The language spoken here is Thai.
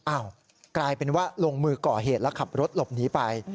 กลายเป็นว่าลงมือก่อเหตุแล้วขับรถหลบหนีไป